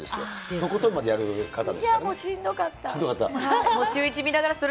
とことんまでやる方ですからね。